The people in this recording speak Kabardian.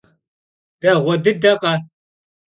Değue dıdekhe?